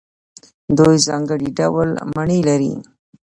دوی ځانګړي ډول مڼې لري.